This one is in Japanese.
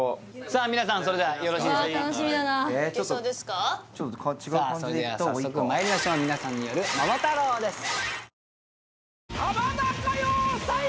さあそれでは早速まいりましょう皆さんによる「桃太郎」です